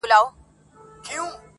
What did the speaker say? خو قانون د سلطنت دی نه بدلیږي٫